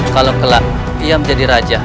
kalau kelak ia menjadi raja